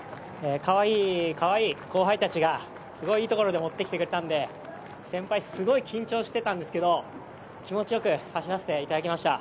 かわいいかわいい後輩が持ってきてくれたので先輩、すごい緊張していたんですけど、気持ちよく走らせていただきました。